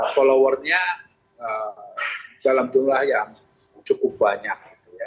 followernya dalam jumlah yang cukup banyak